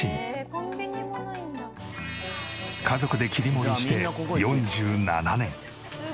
家族で切り盛りして４７年。